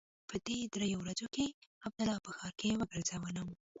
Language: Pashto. په دې درېو ورځو کښې عبدالله په ښار کښې وګرځولم.